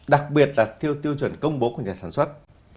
đặc biệt là theo tiêu chuẩn công bố của nhà sản xuất